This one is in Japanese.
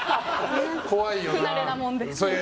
不慣れなもんで。